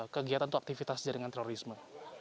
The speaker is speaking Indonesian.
kegiatan atau aktivitas jaringan terorisme